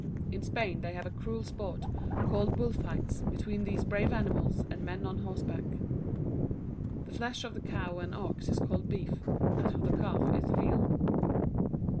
In Spain they have a cruel sport, called bull fights, between these brave animals and men on horseback. The flesh of the cow and ox is called beef; that of the calf is veal.